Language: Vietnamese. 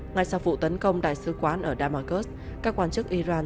ngay sau vụ tấn công đại sứ quán ở damasurs các quan chức iran